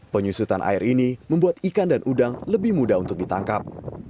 penyusutan air ini membuat ikan dan udang lebih mudah untuk ditangkap